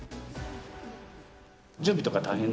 準備とか大変？